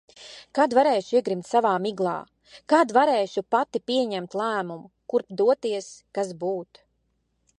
Kad varēšu iegrimt savā miglā. Kad varēšu pati pieņemt lēmumu, kurp doties, kas būt.